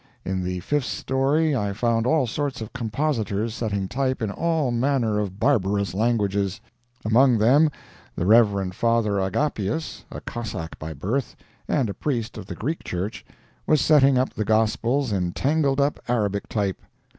In the fifth story I found all sorts of compositors setting type in all manner of barbarous languages. Among them the Rev. Father Agapius, a Cossack by birth, and a priest of the Greek Church, was setting up the Gospels in tangled up Arabic type.